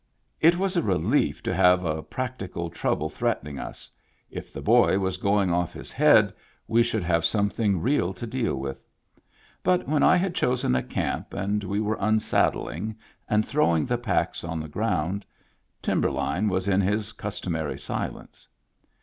It was a relief to have a practical trouble threat ening us ; if the boy was going off his head, we should have something real to deal with. But when I had chosen a camp and we were unsad dling and throwing the packs on the ground, Timberline was in his customary silence.